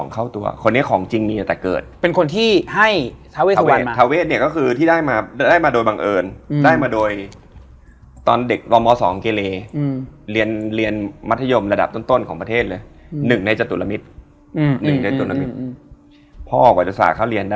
คราวนี้พอไปสถานที่แบบเนี่ย